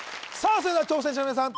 それでは挑戦者の皆さん